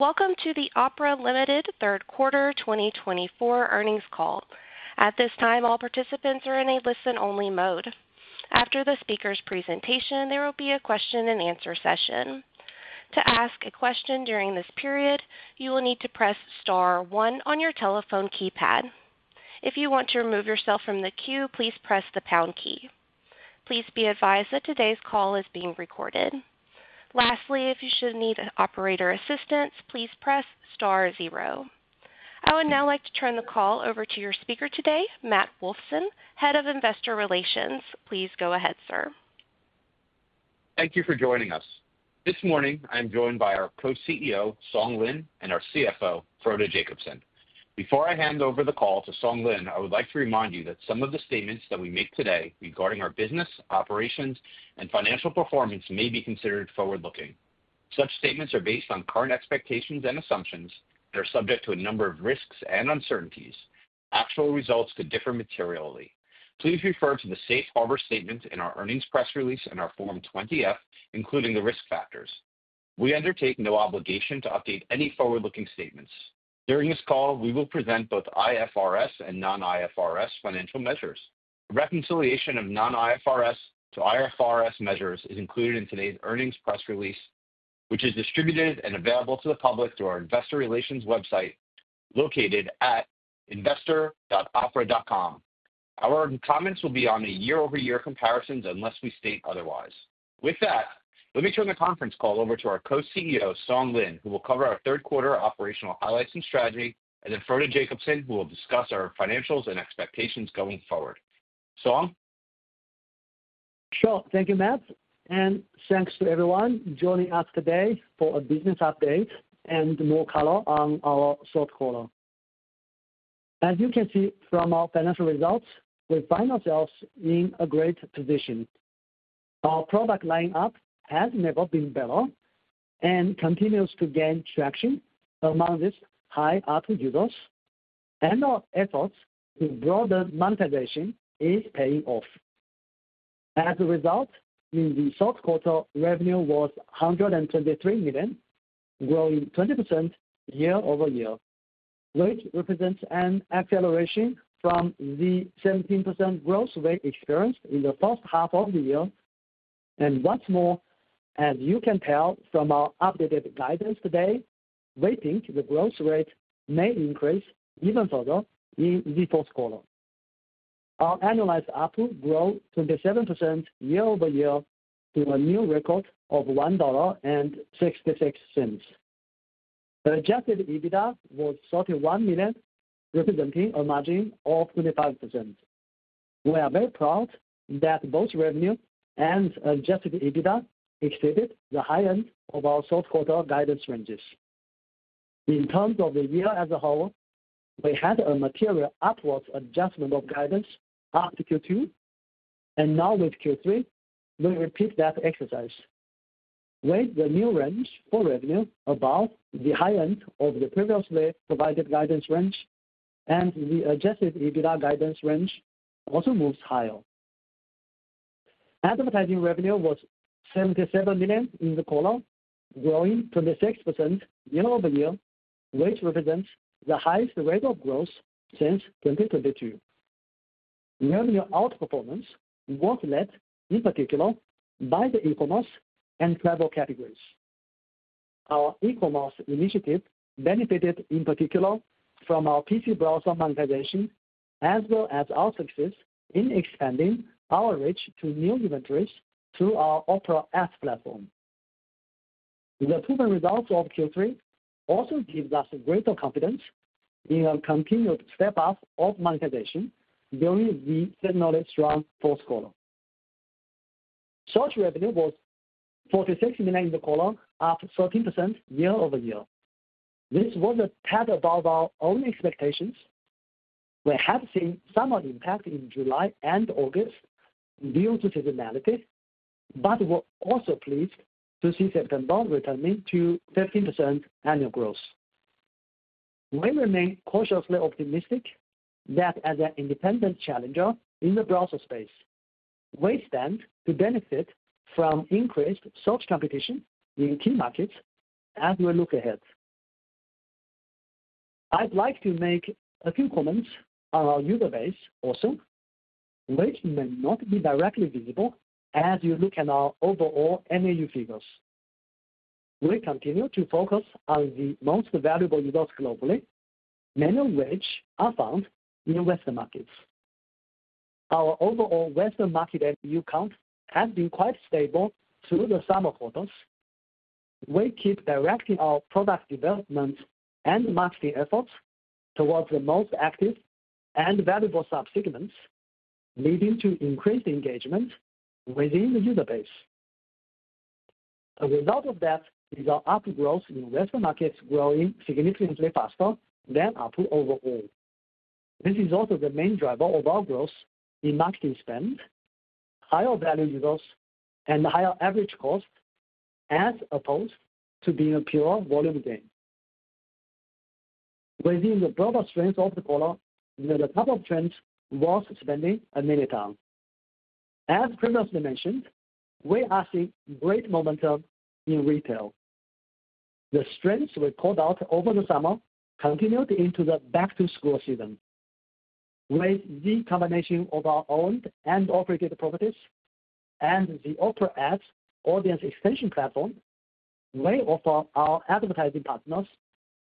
Welcome to the Opera Limited third quarter 2024 earnings call. At this time, all participants are in a listen-only mode. After the speaker's presentation, there will be a question-and-answer session. To ask a question during this period, you will need to press star one on your telephone keypad. If you want to remove yourself from the queue, please press the pound key. Please be advised that today's call is being recorded. Lastly, if you should need operator assistance, please press star zero. I would now like to turn the call over to your speaker today, Matt Wolfson, Head of Investor Relations. Please go ahead, sir. Thank you for joining us. This morning, I'm joined by our co-CEO, Song Lin, and our CFO, Frode Jacobsen. Before I hand over the call to Song Lin, I would like to remind you that some of the statements that we make today regarding our business, operations, and financial performance may be considered forward-looking. Such statements are based on current expectations and assumptions and are subject to a number of risks and uncertainties. Actual results could differ materially. Please refer to the Safe Harbor statements in our earnings press release and our Form 20-F, including the risk factors. We undertake no obligation to update any forward-looking statements. During this call, we will present both IFRS and non-IFRS financial measures. The reconciliation of non-IFRS to IFRS measures is included in today's earnings press release, which is distributed and available to the public through our investor relations website located at investor.opera.com. Our comments will be on the year-over-year comparisons unless we state otherwise. With that, let me turn the conference call over to our Co-CEO, Song Lin, who will cover our third quarter operational highlights and strategy, and then Frode Jacobsen, who will discuss our financials and expectations going forward. Song? Sure. Thank you, Matt, and thanks to everyone joining us today for a business update and more color on our third quarter. As you can see from our financial results, we find ourselves in a great position. Our product lineup has never been better and continues to gain traction among these high-value users, and our efforts to broaden monetization are paying off. As a result, in the third quarter, revenue was $123 million, growing 20% year-over-year, which represents an acceleration from the 17% growth rate experienced in the first half of the year. And what's more, as you can tell from our updated guidance today, we think the growth rate may increase even further in the fourth quarter. Our annualized ARPU grew 27% year-over-year to a new record of $1.66. The adjusted EBITDA was $31 million, representing a margin of 25%. We are very proud that both revenue and Adjusted EBITDA exceeded the high end of our third quarter guidance ranges. In terms of the year as a whole, we had a material ARPU adjustment of guidance after Q2, and now with Q3, we repeat that exercise. With the new range for revenue above the high end of the previously provided guidance range, and the Adjusted EBITDA guidance range also moves higher. Advertising revenue was $77 million in the quarter, growing 26% year-over-year, which represents the highest rate of growth since 2022. Revenue outperformance was led, in particular, by the e-commerce and travel categories. Our e-commerce initiative benefited, in particular, from our PC browser monetization, as well as our success in expanding our reach to new inventories through our Opera Ads platform. The proven results of Q3 also give us greater confidence in our continued step-up of monetization during the seasonally strong fourth quarter. Search revenue was $46 million in the quarter, up 13% year-over-year. This was a tad above our own expectations. We had seen some impact in July and August due to seasonality, but were also pleased to see September returning to 15% annual growth. We remain cautiously optimistic that as an independent challenger in the browser space, we stand to benefit from increased search competition in key markets as we look ahead. I'd like to make a few comments on our user base also, which may not be directly visible as you look at our overall MAU figures. We continue to focus on the most valuable users globally, many of which are found in Western markets. Our overall Western market MAU count has been quite stable through the summer quarters. We keep directing our product development and marketing efforts towards the most active and valuable subsegments, leading to increased engagement within the user base. A result of that is our ARPU growth in Western markets growing significantly faster than ARPU overall. This is also the main driver of our growth in marketing spend, higher value users, and higher average cost, as opposed to being a pure volume gain. Within the broader strengths of the quarter, the top of trends was spending and Mini Town. As previously mentioned, we are seeing great momentum in retail. The strengths we pulled out over the summer continued into the back-to-school season. With the combination of our owned and operated properties and the Opera Ads' audience extension platform, we offer our advertising partners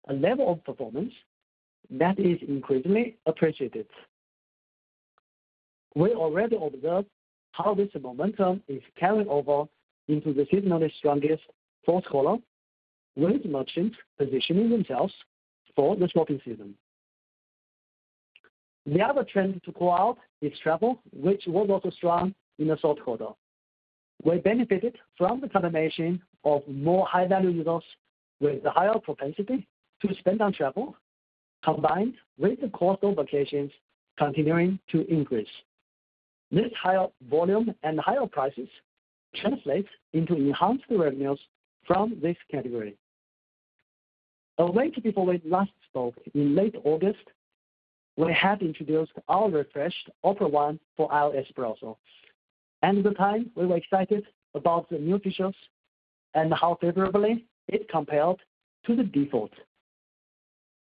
a level of performance that is increasingly appreciated. We already observed how this momentum is carrying over into the seasonally strongest fourth quarter, with merchants positioning themselves for the shopping season. The other trend to call out is travel, which was also strong in the third quarter. We benefited from the combination of more high-value users with a higher propensity to spend on travel, combined with the cost of vacations continuing to increase. This higher volume and higher prices translate into enhanced revenues from this category. A week before we last spoke, in late August, we had introduced our refreshed Opera One for iOS browser. At the time, we were excited about the new features and how favorably it compared to the default.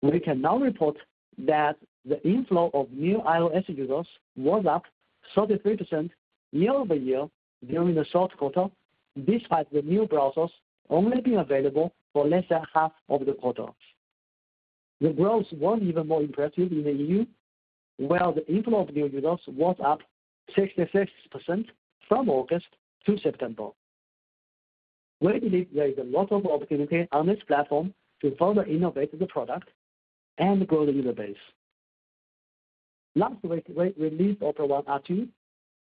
We can now report that the inflow of new iOS users was up 33% year-over-year during the third quarter, despite the new browsers only being available for less than half of the quarter. The growth was even more impressive in the EU, where the inflow of new users was up 66% from August to September. We believe there is a lot of opportunity on this platform to further innovate the product and grow the user base. Last week, we released Opera One R2,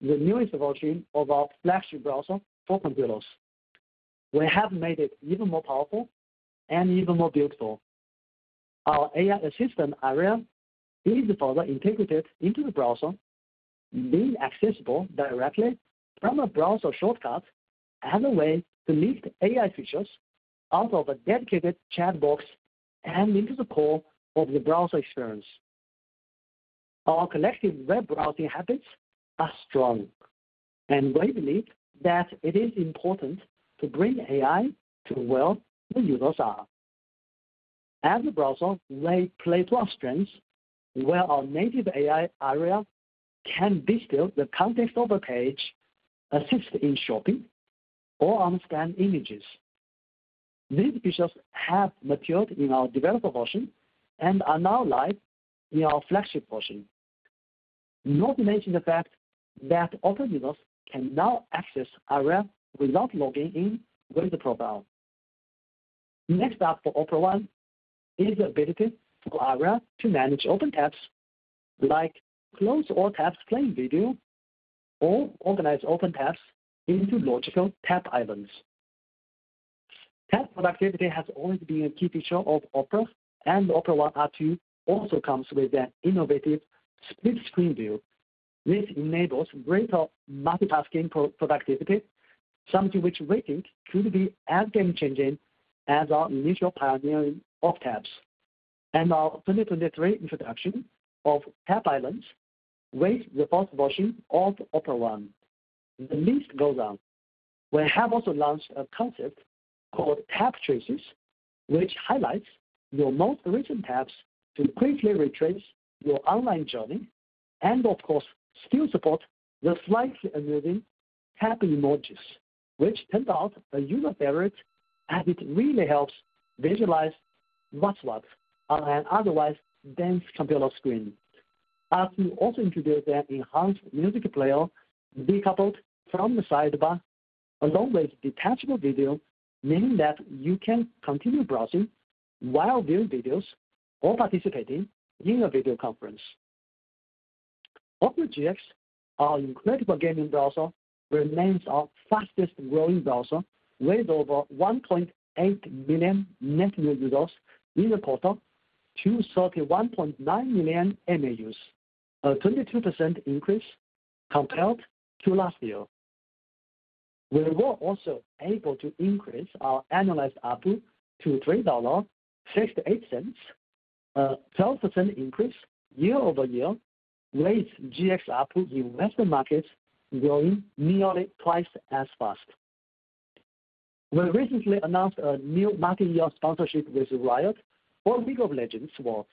the newest version of our flagship browser for computers. We have made it even more powerful and even more beautiful. Our AI assistant, Aria, is further integrated into the browser, being accessible directly from a browser shortcut as a way to lift AI features out of a dedicated chat box and into the core of the browser experience. Our collective web browsing habits are strong, and we believe that it is important to bring AI to where the users are. As a browser, we play to our strengths, where our native AI, Aria, can distill the context of a page, assist in shopping, or understand images. These features have matured in our developer version and are now live in our flagship version. Not to mention the fact that Opera users can now access Aria without logging in with a profile. Next up for Opera One is the ability for Aria to manage open tabs like close all tabs playing video or organize open tabs into logical Tab Islands. Tab productivity has always been a key feature of Opera, and Opera One R2 also comes with an innovative split-screen view. This enables greater multitasking productivity, something which we think could be as game-changing as our initial pioneering of tabs, and our 2023 introduction of Tab Islands with the first version of Opera One. The list goes on. We have also launched a concept called Tab Traces, which highlights your most recent tabs to quickly retrace your online journey and, of course, still support the slightly amusing tab emojis, which turned out a user favorite as it really helps visualize what's what on an otherwise dense computer screen. We also introduced an enhanced music player decoupled from the sidebar, along with detachable video, meaning that you can continue browsing while viewing videos or participating in a video conference. Opera GX, our incredible gaming browser, remains our fastest-growing browser with over 1.8 million net new users in the quarter to 31.9 million MAUs, a 22% increase compared to last year. We were also able to increase our annualized ARPU to $3.68, a 12% increase year-over-year, with GX ARPU in Western markets growing nearly twice as fast. We recently announced a new multi-year sponsorship with Riot for League of Legends Worlds,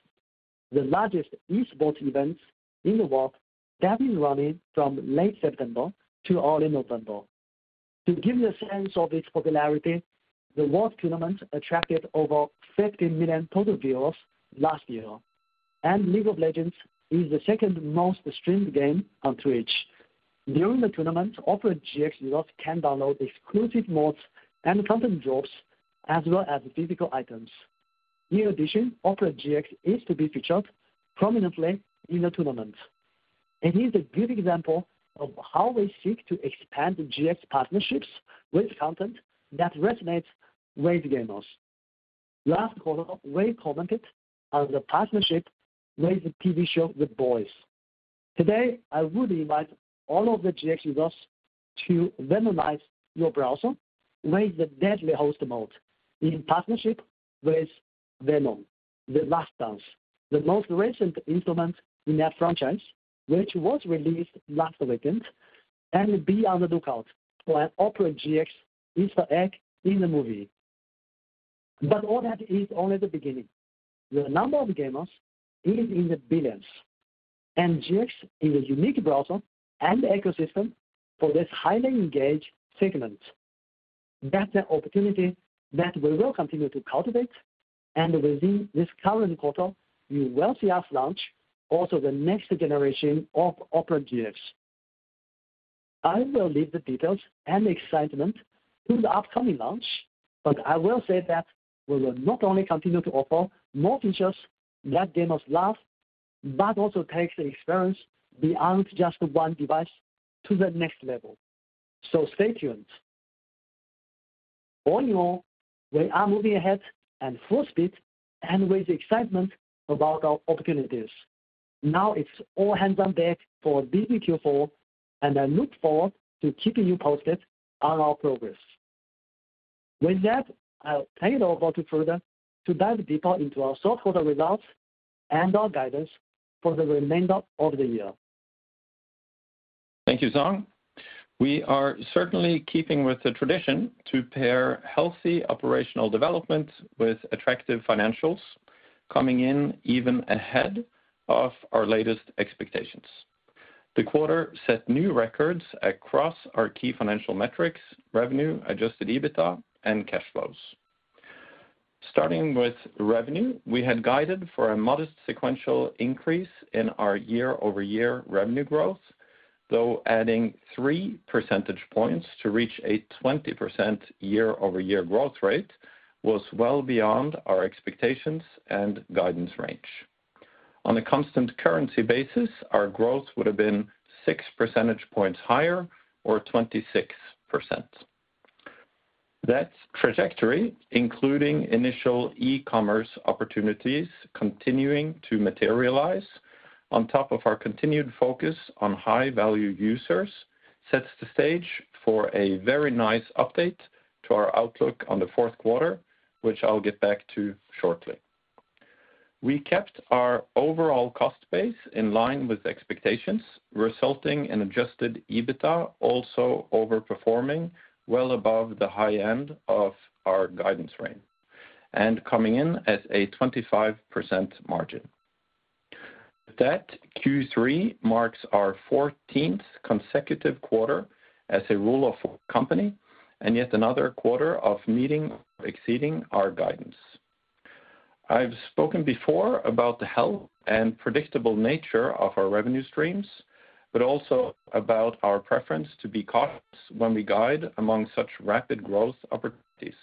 the largest esports event in the world that has been running from late September to early November. To give you a sense of its popularity, the World Tournament attracted over 50 million total viewers last year, and League of Legends is the second most-streamed game on Twitch. During the tournament, Opera GX users can download exclusive mods and content drops, as well as physical items. In addition, Opera GX is to be featured prominently in the tournament. It is a good example of how we seek to expand GX partnerships with content that resonates with gamers. Last quarter, we commented on the partnership with the TV show The Boys. Today, I would invite all of the GX users to Venomize your browser with the Deadly Symbiote Mode in partnership with Venom: The Last Dance, the most recent installment in that franchise, which was released last weekend, and be on the lookout for an Opera GX Easter egg in the movie. But all that is only the beginning. The number of gamers is in the billions, and GX is a unique browser and ecosystem for this highly engaged segment. That's an opportunity that we will continue to cultivate, and within this current quarter, you will see us launch also the next generation of Opera GX. I will leave the details and excitement to the upcoming launch, but I will say that we will not only continue to offer more features that gamers love, but also take the experience beyond just one device to the next level. So stay tuned. All in all, we are moving ahead at full speed and with excitement about our opportunities. Now it's all hands on deck for this Q4, and I look forward to keeping you posted on our progress. With that, I'll hand it over to Frode to dive deeper into our third quarter results and our guidance for the remainder of the year. Thank you, Song. We are certainly keeping with the tradition to pair healthy operational development with attractive financials coming in even ahead of our latest expectations. The quarter set new records across our key financial metrics: revenue, Adjusted EBITDA, and cash flows. Starting with revenue, we had guided for a modest sequential increase in our year-over-year revenue growth, though adding 3 percentage points to reach a 20% year-over-year growth rate was well beyond our expectations and guidance range. On a constant currency basis, our growth would have been 6 percentage points higher or 26%. That trajectory, including initial e-commerce opportunities continuing to materialize on top of our continued focus on high-value users, sets the stage for a very nice update to our outlook on the fourth quarter, which I'll get back to shortly. We kept our overall cost base in line with expectations, resulting in Adjusted EBITDA also overperforming well above the high end of our guidance range and coming in as a 25% margin. That Q3 marks our 14th consecutive quarter as a Rule of 40, and yet another quarter of meeting or exceeding our guidance. I've spoken before about the health and predictable nature of our revenue streams, but also about our preference to be cautious when we guide among such rapid growth opportunities.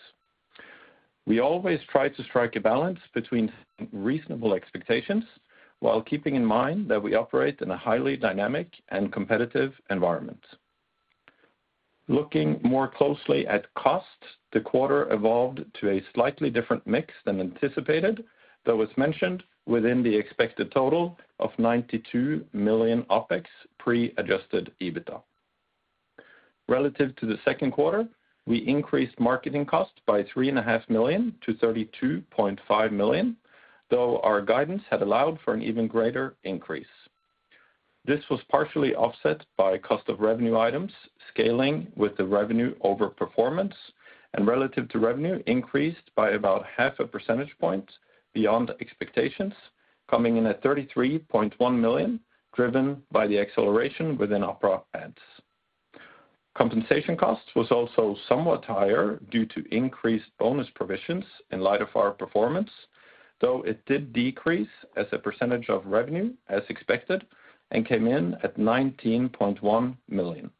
We always try to strike a balance between reasonable expectations while keeping in mind that we operate in a highly dynamic and competitive environment. Looking more closely at cost, the quarter evolved to a slightly different mix than anticipated, though as mentioned, within the expected total of $92 million OpEx pre-Adjusted EBITDA. Relative to the second quarter, we increased marketing cost by $3.5 million to $32.5 million, though our guidance had allowed for an even greater increase. This was partially offset by cost of revenue items scaling with the revenue over performance, and relative to revenue, increased by about half a percentage point beyond expectations, coming in at $33.1 million, driven by the acceleration within our product ads. Compensation cost was also somewhat higher due to increased bonus provisions in light of our performance, though it did decrease as a percentage of revenue as expected and came in at $19.1 million.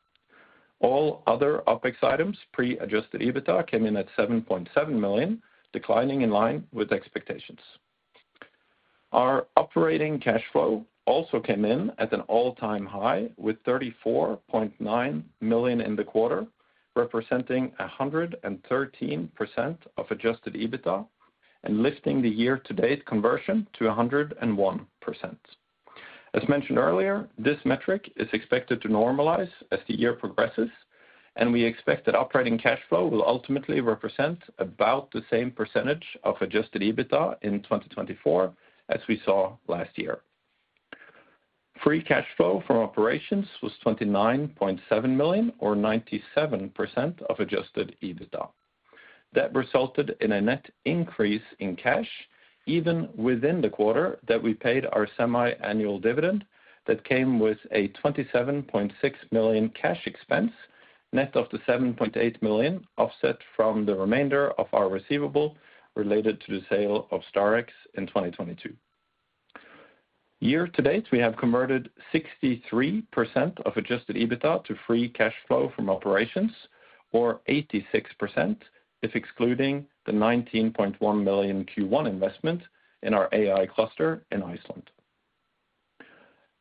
All other OpEx items pre-adjusted EBITDA came in at $7.7 million, declining in line with expectations. Our operating cash flow also came in at an all-time high with $34.9 million in the quarter, representing 113% of adjusted EBITDA and lifting the year-to-date conversion to 101%. As mentioned earlier, this metric is expected to normalize as the year progresses, and we expect that operating cash flow will ultimately represent about the same percentage of adjusted EBITDA in 2024 as we saw last year. Free cash flow from operations was $29.7 million, or 97% of adjusted EBITDA. That resulted in a net increase in cash even within the quarter that we paid our semi-annual dividend that came with a $27.6 million cash expense, net of the $7.8 million offset from the remainder of our receivable related to the sale of StarX in 2022. Year to date, we have converted 63% of adjusted EBITDA to free cash flow from operations, or 86% if excluding the $19.1 million Q1 investment in our AI cluster in Iceland.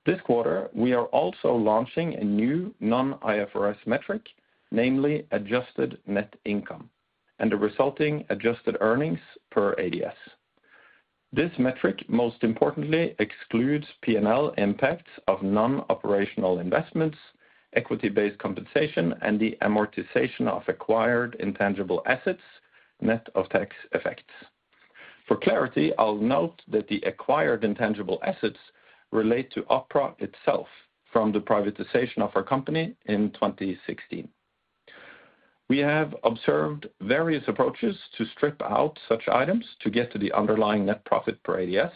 This quarter, we are also launching a new non-IFRS metric, namely Adjusted Net Income and the resulting Adjusted Earnings per ADS. This metric, most importantly, excludes P&L impacts of non-operational investments, equity-based compensation, and the amortization of acquired intangible assets net of tax effects. For clarity, I'll note that the acquired intangible assets relate to Opera itself from the privatization of our company in 2016. We have observed various approaches to strip out such items to get to the underlying net profit per ADS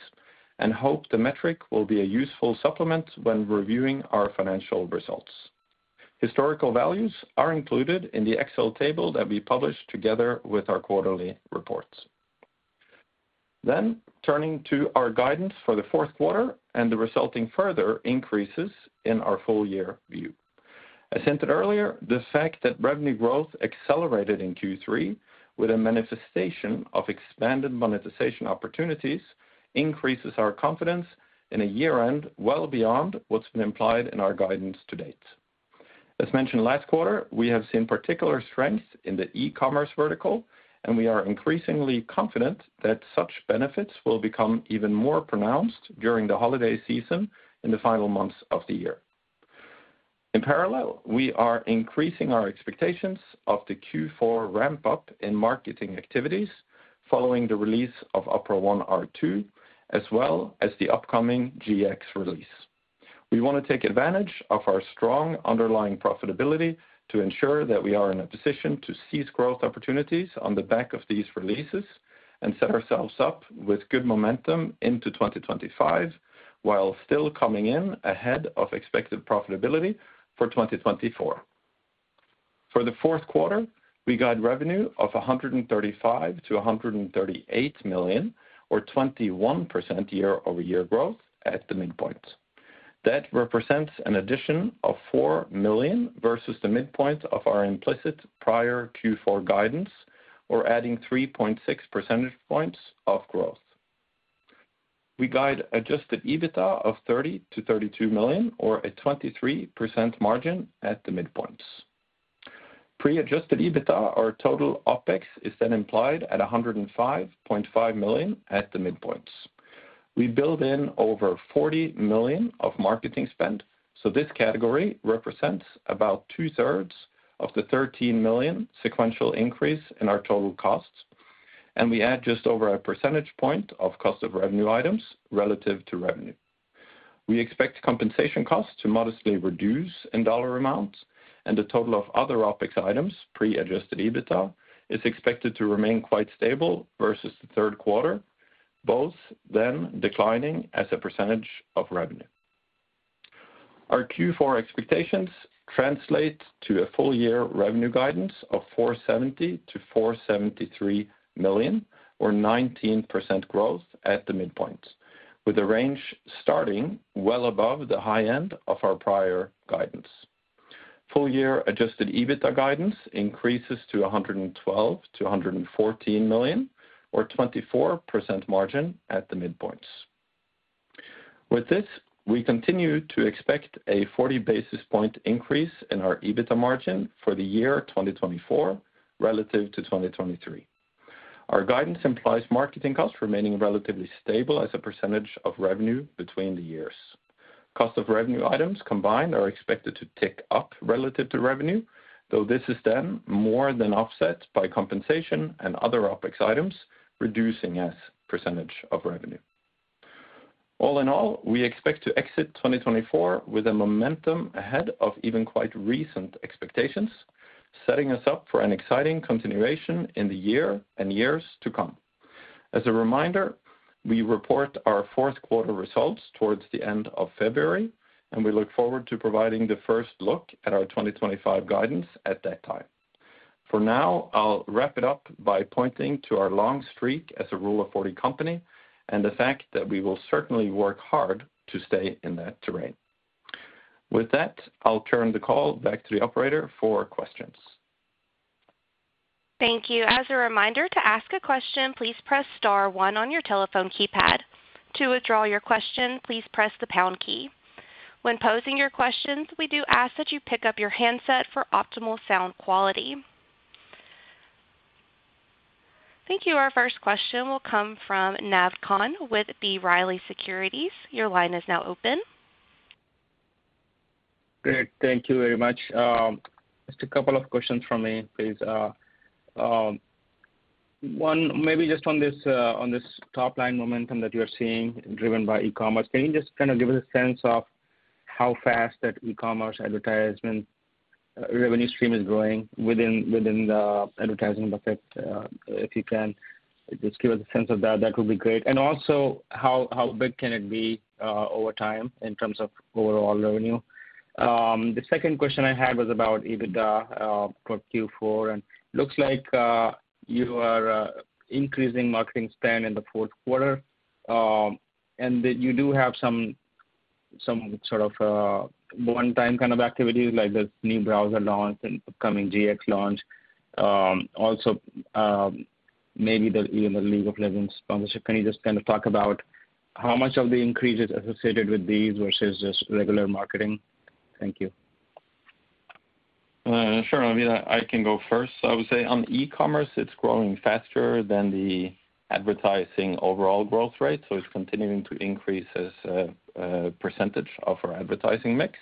and hope the metric will be a useful supplement when reviewing our financial results. Historical values are included in the Excel table that we published together with our quarterly reports. Then, turning to our guidance for the fourth quarter and the resulting further increases in our full-year view. As hinted earlier, the fact that revenue growth accelerated in Q3 with a manifestation of expanded monetization opportunities increases our confidence in a year-end well beyond what's been implied in our guidance to date. As mentioned last quarter, we have seen particular strength in the e-commerce vertical, and we are increasingly confident that such benefits will become even more pronounced during the holiday season in the final months of the year. In parallel, we are increasing our expectations of the Q4 ramp-up in marketing activities following the release of Opera One R2, as well as the upcoming GX release. We want to take advantage of our strong underlying profitability to ensure that we are in a position to seize growth opportunities on the back of these releases and set ourselves up with good momentum into 2025 while still coming in ahead of expected profitability for 2024. For the fourth quarter, we guide revenue of $135 million-$138 million, or 21% year-over-year growth at the midpoint. That represents an addition of $4 million versus the midpoint of our implicit prior Q4 guidance, or adding 3.6 percentage points of growth. We guide Adjusted EBITDA of $30 million-$32 million, or a 23% margin at the midpoint. Pre-Adjusted EBITDA, our total OpEx, is then implied at $105.5 million at the midpoint. We build in over $40 million of marketing spend, so this category represents about two-thirds of the $13 million sequential increase in our total cost, and we add just over a percentage point of cost of revenue items relative to revenue. We expect compensation costs to modestly reduce in dollar amount, and the total of other OpEx items pre-adjusted EBITDA is expected to remain quite stable versus the third quarter, both then declining as a percentage of revenue. Our Q4 expectations translate to a full-year revenue guidance of $470 million-$473 million, or 19% growth at the midpoint, with the range starting well above the high end of our prior guidance. Full-year adjusted EBITDA guidance increases to $112 million-$114 million, or 24% margin at the midpoint. With this, we continue to expect a 40 basis point increase in our EBITDA margin for the year 2024 relative to 2023. Our guidance implies marketing costs remaining relatively stable as a percentage of revenue between the years. Cost of revenue items combined are expected to tick up relative to revenue, though this is then more than offset by compensation and other OpEx items reducing as percentage of revenue. All in all, we expect to exit 2024 with a momentum ahead of even quite recent expectations, setting us up for an exciting continuation in the year and years to come. As a reminder, we report our fourth quarter results towards the end of February, and we look forward to providing the first look at our 2025 guidance at that time. For now, I'll wrap it up by pointing to our long streak as a Rule of 40 company and the fact that we will certainly work hard to stay in that terrain. With that, I'll turn the call back to the operator for questions. Thank you. As a reminder, to ask a question, please press Star One on your telephone keypad. To withdraw your question, please press the pound key. When posing your questions, we do ask that you pick up your handset for optimal sound quality. Thank you. Our first question will come from Naved Khan with B. Riley Securities. Your line is now open. Great. Thank you very much. Just a couple of questions for me, please. One, maybe just on this top-line momentum that you are seeing driven by e-commerce, can you just kind of give us a sense of how fast that e-commerce advertisement revenue stream is growing within the advertising bucket? If you can, just give us a sense of that. That would be great. And also, how big can it be over time in terms of overall revenue? The second question I had was about EBITDA for Q4, and it looks like you are increasing marketing spend in the fourth quarter, and that you do have some sort of one-time kind of activities, like this new browser launch and upcoming GX launch. Also, maybe even the League of Legends sponsorship. Can you just kind of talk about how much of the increase is associated with these versus just regular marketing? Thank you. Sure. I mean, I can go first. I would say on e-commerce, it's growing faster than the advertising overall growth rate, so it's continuing to increase as a percentage of our advertising mix.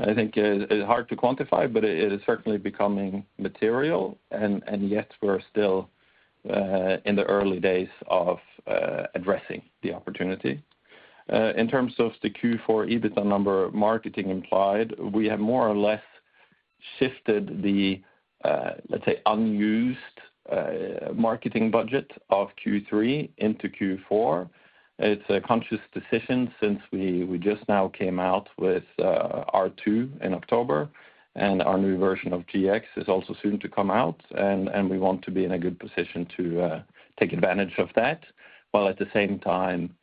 I think it's hard to quantify, but it is certainly becoming material, and yet, we're still in the early days of addressing the opportunity. In terms of the Q4 EBITDA number marketing implied, we have more or less shifted the, let's say, unused marketing budget of Q3 into Q4. It's a conscious decision since we just now came out with R2 in October, and our new version of GX is also soon to come out, and we want to be in a good position to take advantage of that while, at the same time,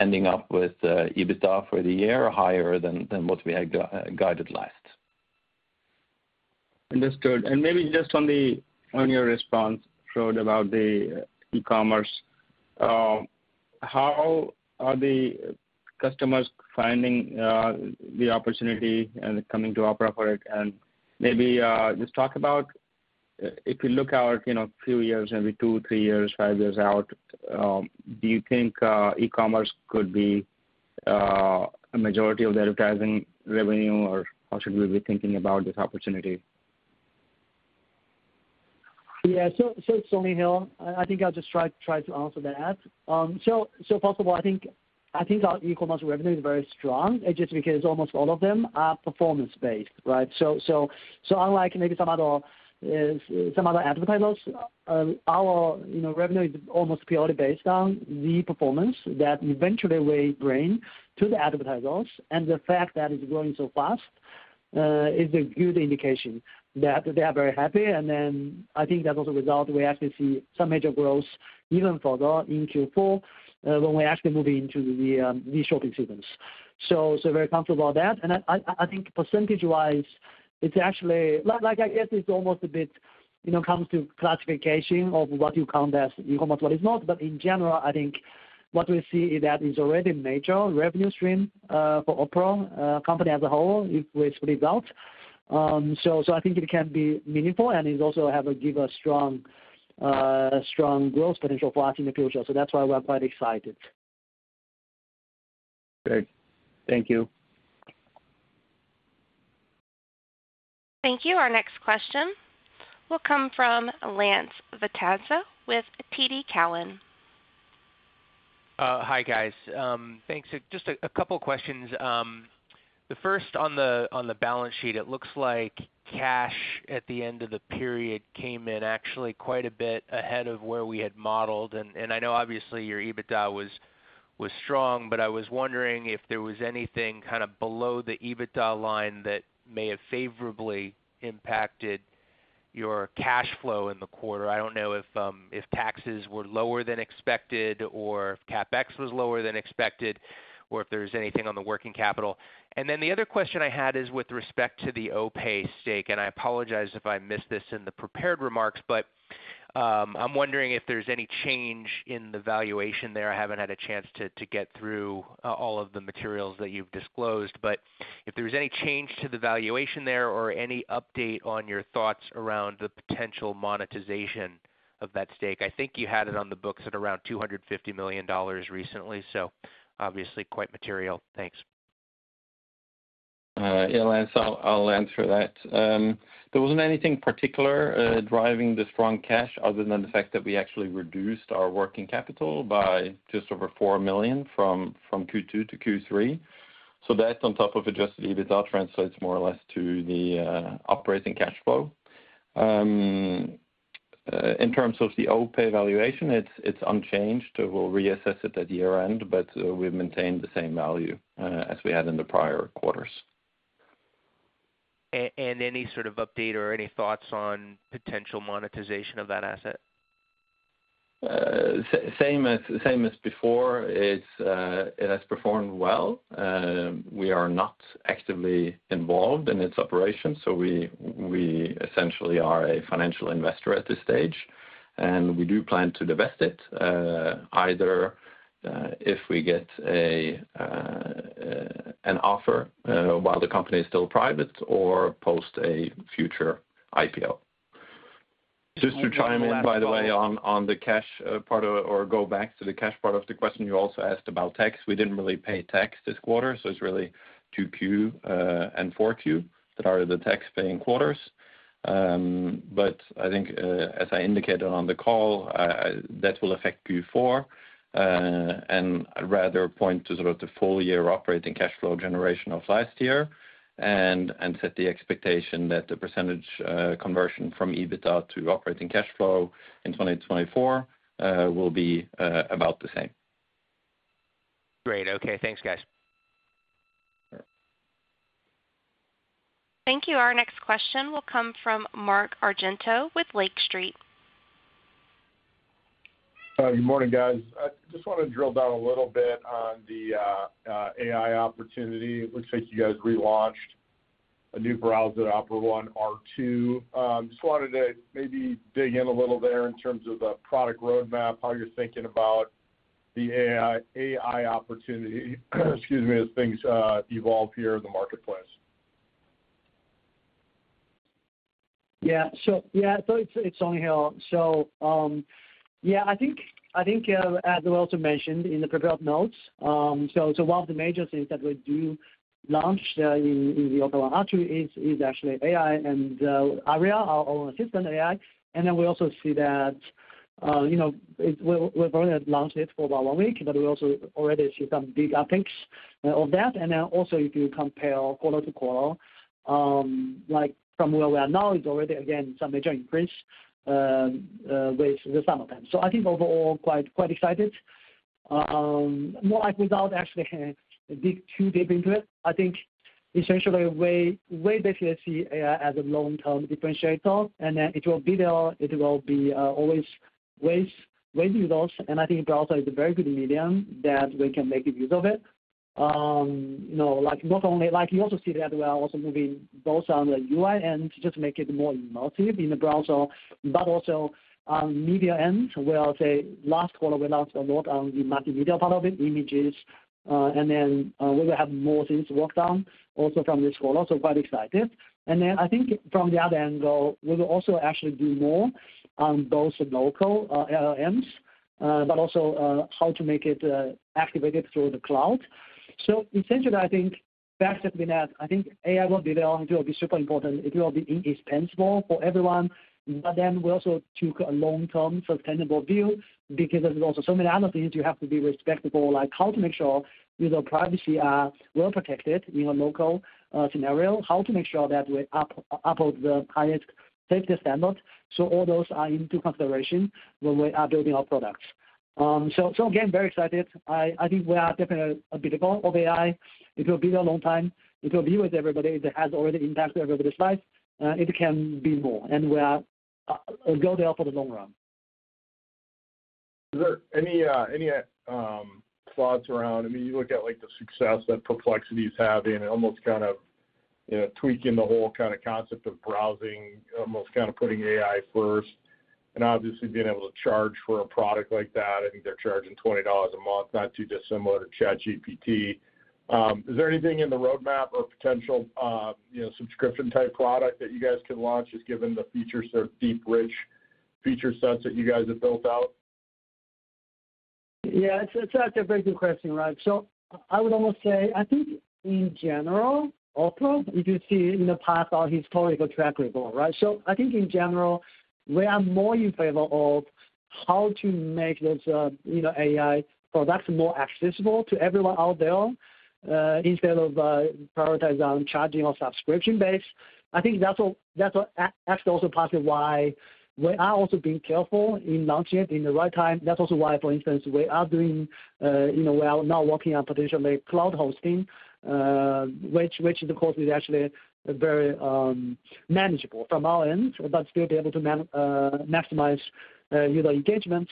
ending up with EBITDA for the year higher than what we had guided last. Understood. And maybe just on your response, Frode, about the e-commerce, how are the customers finding the opportunity and coming to Opera for it? And maybe just talk about if you look out a few years, maybe two, three years, five years out, do you think e-commerce could be a majority of the advertising revenue, or how should we be thinking about this opportunity? Yeah. So, Song Lin here, I think I'll just try to answer that. So, first of all, I think our e-commerce revenue is very strong just because almost all of them are performance-based, right? So, unlike maybe some other advertisers, our revenue is almost purely based on the performance that eventually we bring to the advertisers, and the fact that it's growing so fast is a good indication that they are very happy. And then, I think that as a result, we actually see some major growth even further in Q4 when we actually move into the shopping seasons. So, very comfortable about that. And I think percentage-wise, it's actually like, I guess it's almost a bit comes to classification of what you count as e-commerce, what is not. But in general, I think what we see is that it's already a major revenue stream for Opera company as a whole if we split out. So, I think it can be meaningful, and it also gives a strong growth potential for us in the future. So, that's why we're quite excited. Great. Thank you. Thank you. Our next question will come from Lance Vitanza with TD Cowen. Hi, guys. Thanks. Just a couple of questions. The first, on the balance sheet, it looks like cash at the end of the period came in actually quite a bit ahead of where we had modeled. And I know, obviously, your EBITDA was strong, but I was wondering if there was anything kind of below the EBITDA line that may have favorably impacted your cash flow in the quarter. I don't know if taxes were lower than expected, or if CapEx was lower than expected, or if there was anything on the working capital. And then the other question I had is with respect to the OPay stake, and I apologize if I missed this in the prepared remarks, but I'm wondering if there's any change in the valuation there. I haven't had a chance to get through all of the materials that you've disclosed, but if there's any change to the valuation there or any update on your thoughts around the potential monetization of that stake. I think you had it on the books at around $250 million recently, so obviously quite material. Thanks. Yeah, Lance, I'll answer that. There wasn't anything particular driving the strong cash other than the fact that we actually reduced our working capital by just over 4 million from Q2 to Q3. So, that on top of Adjusted EBITDA translates more or less to the operating cash flow. In terms of the OPay valuation, it's unchanged. We'll reassess it at year-end, but we've maintained the same value as we had in the prior quarters. And any sort of update or any thoughts on potential monetization of that asset? Same as before. It has performed well. We are not actively involved in its operations, so we essentially are a financial investor at this stage, and we do plan to divest it either if we get an offer while the company is still private or post a future IPO. Just to chime in, by the way, on the cash part or go back to the cash part of the question, you also asked about tax. We didn't really pay tax this quarter, so it's really Q2 and Q4 that are the tax-paying quarters. But I think, as I indicated on the call, that will affect Q4, and I'd rather point to sort of the full-year operating cash flow generation of last year and set the expectation that the percentage conversion from EBITDA to operating cash flow in 2024 will be about the same. Great. Okay. Thanks, guys. Thank you. Our next question will come from Mark Argento with Lake Street. Good morning, guys. I just want to drill down a little bit on the AI opportunity. It looks like you guys relaunched a new browser, Opera One R2. Just wanted to maybe dig in a little there in terms of the product roadmap, how you're thinking about the AI opportunity as things evolve here in the marketplace. Yeah. So, yeah, so it's Song Lin here. So, yeah, I think, as we also mentioned in the prepared notes, so one of the major things that we launched in the Opera is actually AI and Aria, our own assistant AI. And then we also see that we've already launched it for about one week, but we also already see some big upticks of that. And then also, if you compare quarter to quarter, from where we are now, it's already, again, some major increase with some of them. So, I think overall, quite excited. More like without actually dig too deep into it. I think, essentially, we basically see AI as a long-term differentiator, and then it will be there. It will be always ways to use us. And I think the browser is a very good medium that we can make use of it. Not only you also see that we are also moving both on the UI end to just make it more immersive in the browser, but also on media end, where I'll say last quarter we launched a lot on the multimedia part of it, images, and then we will have more things worked on also from this quarter. So, quite excited. And then I think from the other angle, we will also actually do more on both local LLMs, but also how to make it activated through the cloud. So, essentially, I think, back to that, I think AI will be there. It will be super important. It will be indispensable for everyone. But then we also took a long-term sustainable view because there's also so many other things you have to be respectful, like how to make sure your privacy are well protected in a local scenario, how to make sure that we uphold the highest safety standards. So, all those are into consideration when we are building our products. So, again, very excited. I think we are definitely a bit above AI. It will be there a long time. It will be with everybody. It has already impacted everybody's life. It can be more, and we are go there for the long run. Is there any thoughts around? I mean, you look at the success that Perplexity is having and almost kind of tweaking the whole kind of concept of browsing, almost kind of putting AI first, and obviously being able to charge for a product like that. I think they're charging $20 a month, not too dissimilar to ChatGPT. Is there anything in the roadmap or potential subscription-type product that you guys could launch just given the features, sort of deep rich feature sets that you guys have built out? Yeah. That's a very good question, right? So, I would almost say, I think, in general, also, if you see in the past, our historical track record, right? So, I think, in general, we are more in favor of how to make those AI products more accessible to everyone out there instead of prioritizing charging or subscription-based. I think that's actually also part of why we are also being careful in launching it in the right time. That's also why, for instance, we are now working on potentially cloud hosting, which, of course, is actually very manageable from our end, but still be able to maximize user engagement,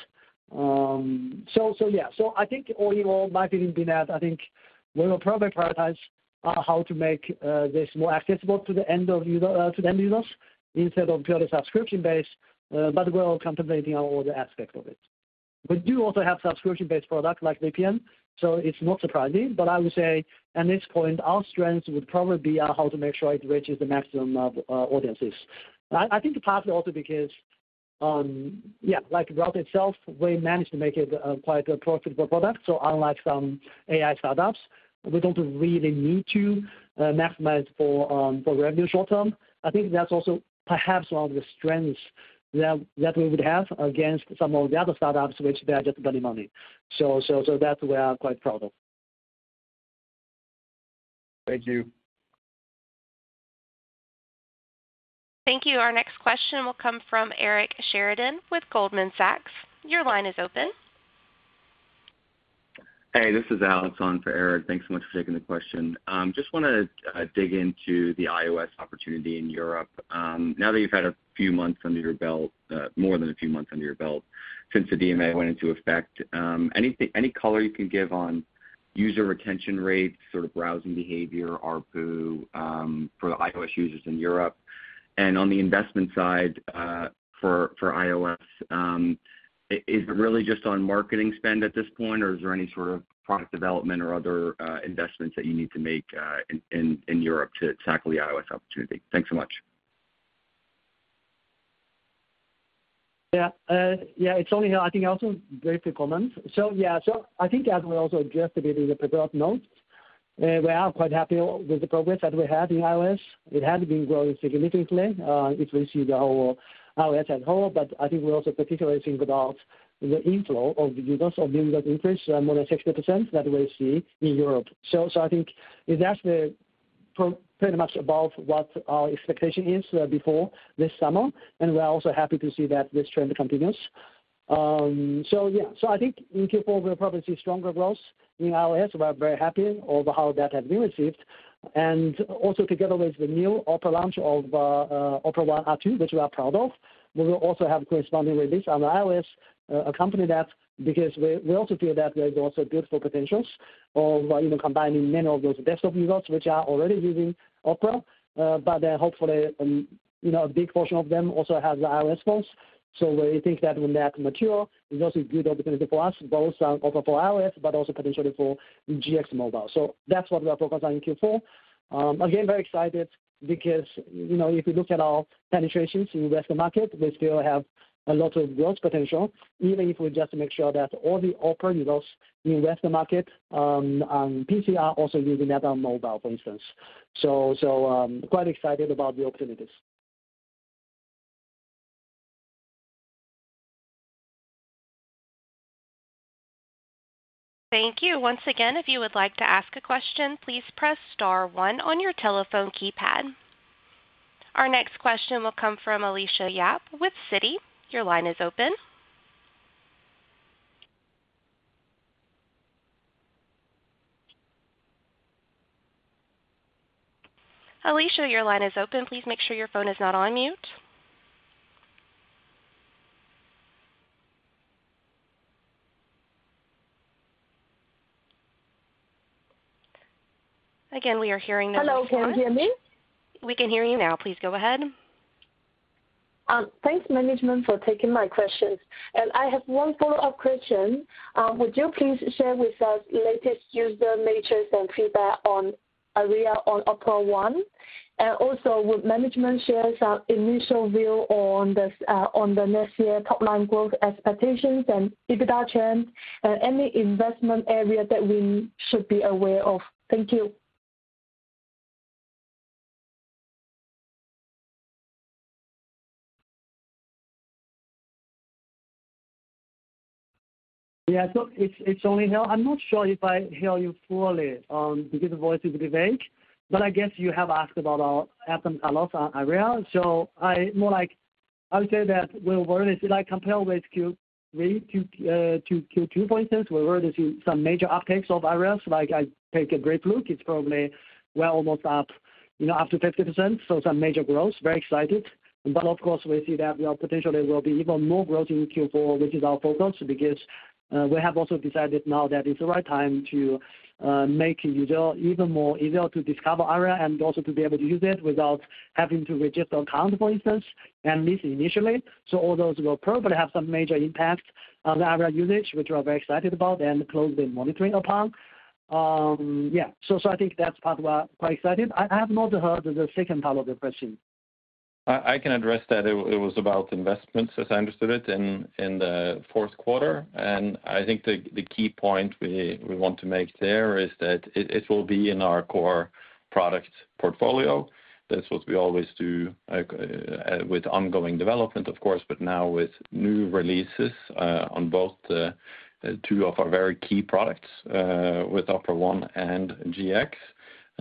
so yeah, so I think, all in all, my feeling being that I think we will probably prioritize how to make this more accessible to the end users instead of purely subscription-based, but we're contemplating all the aspects of it. We do also have subscription-based products like VPN, so it's not surprising, but I would say, at this point, our strength would probably be how to make sure it reaches the maximum audiences. I think partly also because, yeah, like the browser itself, we managed to make it quite a profitable product, so unlike some AI startups, we don't really need to maximize for revenue short-term. I think that's also perhaps one of the strengths that we would have against some of the other startups, which they are just bloody money. So, that's why we are quite proud of. Thank you. Thank you. Our next question will come from Eric Sheridan with Goldman Sachs. Your line is open. Hey, this is Alex on for Eric. Thanks so much for taking the question. Just want to dig into the iOS opportunity in Europe. Now that you've had a few months under your belt, more than a few months under your belt since the DMA went into effect, any color you can give on user retention rate, sort of browsing behavior, ARPU for the iOS users in Europe? And on the investment side for iOS, is it really just on marketing spend at this point, or is there any sort of product development or other investments that you need to make in Europe to tackle the iOS opportunity? Thanks so much. Yeah. Yeah. I think also very few comments. So, yeah. So, I think, as we also addressed a bit in the prepared notes, we are quite happy with the progress that we have in iOS. It has been growing significantly. It's reached our iOS as a whole, but I think we're also particularly thinking about the inflow of users, of users' interest, more than 60% that we see in Europe. So, I think it's actually pretty much above what our expectation is before this summer, and we're also happy to see that this trend continues. So, yeah. So, I think in Q4, we'll probably see stronger growth in iOS. We're very happy over how that has been received. And also, together with the new Opera launch of Opera One R2, which we are proud of, we will also have corresponding release on iOS. Because we also feel that there's also beautiful potentials of combining many of those desktop users which are already using Opera, but then hopefully a big portion of them also has the iOS phones. So, we think that when that matures, it's also a good opportunity for us, both on Opera for iOS, but also potentially for GX Mobile. So, that's what we are focused on in Q4. Again, very excited because if you look at our penetrations in Western market, we still have a lot of growth potential, even if we just make sure that all the Opera users in Western market on PC are also using that on mobile, for instance. So, quite excited about the opportunities. Thank you. Once again, if you would like to ask a question, please press star one on your telephone keypad. Our next question will come from Alicia Yap with Citi. Your line is open. Alicia, your line is open. Please make sure your phone is not on mute. Again, we are hearing that. Hello. Can you hear me? We can hear you now. Please go ahead. Thanks, management, for taking my questions. And I have one follow-up question. Would you please share with us latest user metrics and feedback on Aria on Opera One? And also, would management share some initial view on the next year top-line growth expectations and EBITDA trend and any investment area that we should be aware of? Thank you. Yeah. So, it's Song Lin here. I'm not sure if I hear you fully because the voice is a bit vague, but I guess you have asked about our app and a lot on Aria. So, more like I would say that we're working, compared with Q2 to Q3, for instance, we're working to see some major upticks of Aria. So, I take a brief look. It's probably we're almost up to 50%. So, some major growth. Very excited. But of course, we see that potentially there will be even more growth in Q4, which is our focus because we have also decided now that it's the right time to make user even more easier to discover Aria and also to be able to use it without having to register an account, for instance, at least initially. So, all those will probably have some major impact on the Aria usage, which we are very excited about and closely monitoring upon. Yeah. So, I think that's part of why we're quite excited. I have not heard the second part of the question. I can address that. It was about investments, as I understood it, in the fourth quarter. And I think the key point we want to make there is that it will be in our core product portfolio. That's what we always do with ongoing development, of course, but now with new releases on both two of our very key products, with Opera One and GX,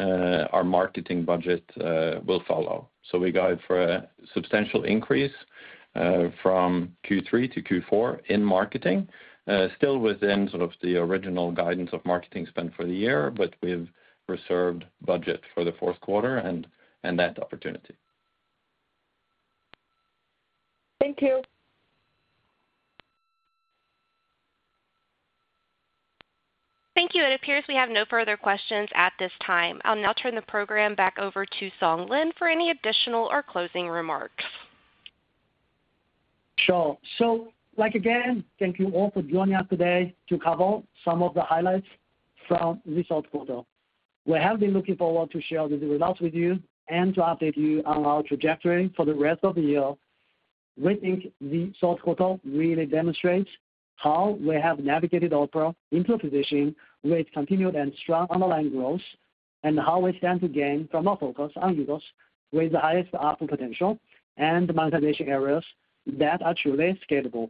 our marketing budget will follow. So, we got for a substantial increase from Q3 to Q4 in marketing, still within sort of the original guidance of marketing spend for the year, but we've reserved budget for the fourth quarter and that opportunity. Thank you. Thank you. It appears we have no further questions at this time. I'll now turn the program back over to Song Lin for any additional or closing remarks. Sure. So, again, thank you all for joining us today to cover some of the highlights from this third quarter. We have been looking forward to share the results with you and to update you on our trajectory for the rest of the year. We think the third quarter really demonstrates how we have navigated Opera into a position with continued and strong underlying growth and how we stand to gain from our focus on users with the highest upward potential and monetization areas that are truly scalable.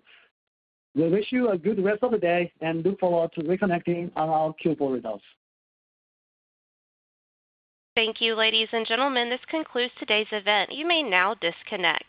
We wish you a good rest of the day and look forward to reconnecting on our Q4 results. Thank you, ladies and gentlemen. This concludes today's event. You may now disconnect.